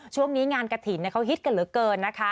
ช่วงนี้งานกระถิ่นเขาฮิตกันเหลือเกินนะคะ